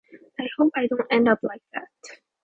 I hope I don't end up like that.